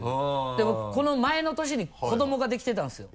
で僕この前の年に子どもができてたんですよ。